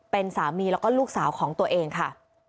เป็นสามีแล้วก็ลูกสาวของตัวเองค่ะ